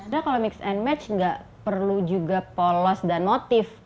nah kalau mix and match nggak perlu juga polos dan motif